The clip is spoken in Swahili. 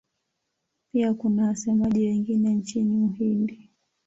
Pia kuna wasemaji wengine nchini Uhindi.